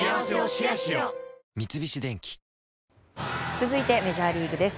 続いてメジャーリーグです。